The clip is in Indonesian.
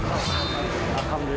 oh ya allah